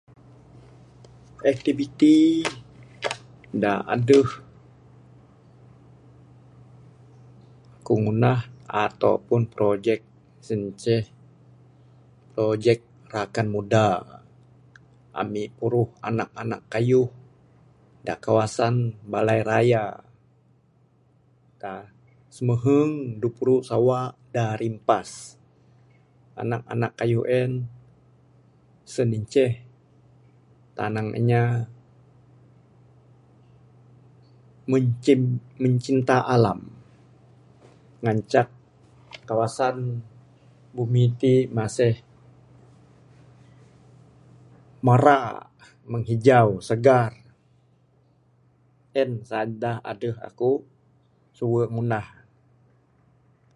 Aktiviti da adeh ku ngunah ne ato pun projek sien ceh projek rakan muda Ami puruh Anak anak kayuh da kawasan balai raya. Simuhung puru sawa da rimpas anak anak kayuh en sien inceh tanang inya mencin mencinta alam. Ngancak kawasan bumi ti masih mara menghijau sagan en saja da adeh aku suwe ngunah ne.